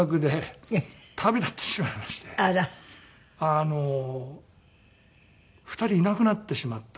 あの２人いなくなってしまったっていう。